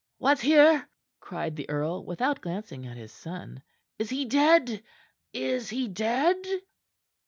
"What's here?" cried the earl, without glancing at his son. "Is he dead? Is he dead?"